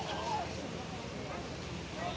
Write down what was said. สวัสดีครับทุกคน